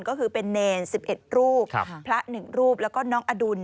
ก็คือเป็นเนรสิบเอ็ดรูปพระหนึ่งรูปแล้วก็น้องอดุล